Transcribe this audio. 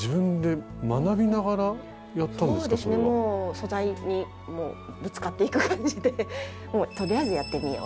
素材にぶつかっていく感じで「とりあえずやってみよう」